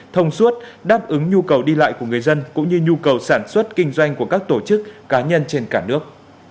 thông suốt đáp ứng nhu cầu đi lại của người dân cũng như nhu cầu sản xuất kinh doanh của các tổ chức cá nhân trên cả nước